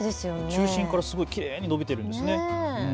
中心からきれいにのびているんですね。